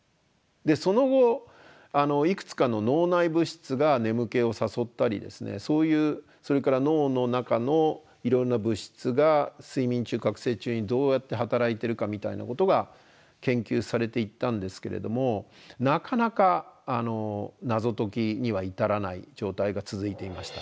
その後いくつかの脳内物質が眠気を誘ったりですねそういうそれから脳の中のいろんな物質が睡眠中覚醒中にどうやって働いてるかみたいなことが研究されていったんですけれどもなかなか謎解きには至らない状態が続いていました。